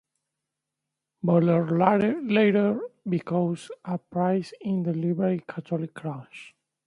Butler later became a priest in the Liberal Catholic Church.